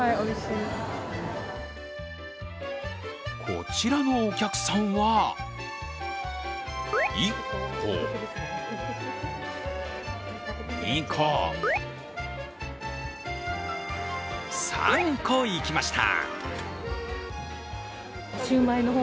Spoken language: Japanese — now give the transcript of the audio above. こちらのお客さんは１個、２個、３個いきました。